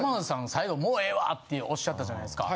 最後「もうええわ！」っておっしゃったじゃないですか。